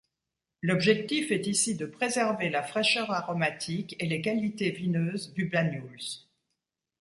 L’objectif est ici de préserver la fraîcheur aromatique et les qualités vineuses du Banyuls.